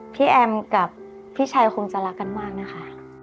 แอมกับพี่ชายคงจะรักกันมากนะคะ